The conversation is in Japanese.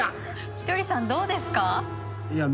ひとりさんどうですか？